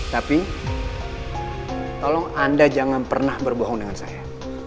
tapi tolong anda jangan pernah berbohong dengan saya